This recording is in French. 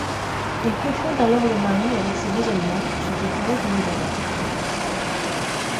Il confronte alors le mari avec ses raisonnements, ce qui provoque une bagarre.